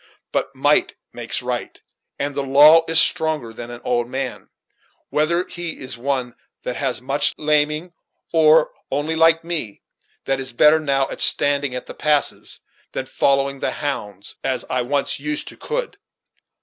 But might makes right, and the law is stronger than an old man, whether he is one that has much laming, or only like me, that is better now at standing at the passes than in following the hounds, as I once used to could.